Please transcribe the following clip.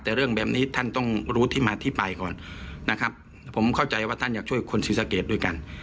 แต่เรื่องแบบนี้ท่านต้องรู้ที่มาที่ไปก่อนนะครับผมเข้าใจว่าท่านอยากช่วยคนศรีสะเกดด้วยกัน